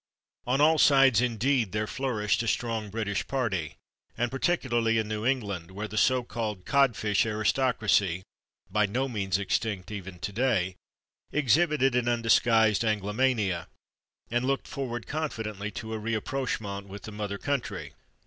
On all sides, indeed, there flourished a strong British party, and particularly in New England, where the so called codfish aristocracy (by no means extinct, even today) exhibited an undisguised Anglomania, and looked forward confidently to a /rapprochement/ with the mother country.